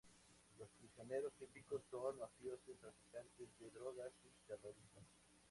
Los prisioneros típicos son mafiosos, traficantes de drogas, y terroristas.